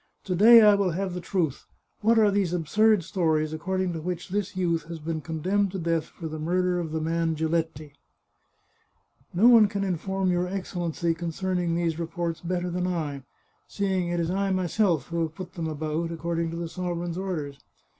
To day I will have the truth. What are these absurd stories according to which this youth has been condemned to death for the murder of the man Giletti ?"" No one can inform your Excellency concerning these reports better than I, seeing it is I myself who have put them about, according to the sovereign's orders.